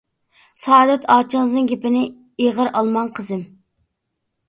سائادەت ئاچىڭىزنىڭ گېپىنى ئېغىر ئالماڭ قىزىم.